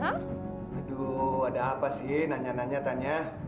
aduh ada apa sih nanya nanya tanya